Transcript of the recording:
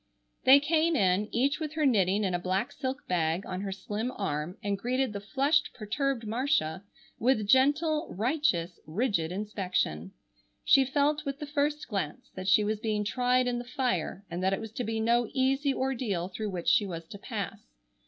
They came in, each with her knitting in a black silk bag on her slim arm, and greeted the flushed, perturbed Marcia with gentle, righteous, rigid inspection. She felt with the first glance that she was being tried in the fire, and that it was to be no easy ordeal through which she was to pass.